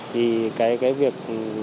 thì cái việc